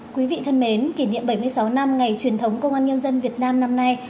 quý vị thân mến kỷ niệm bảy mươi sáu năm ngày truyền thống công an nhân dân việt nam năm nay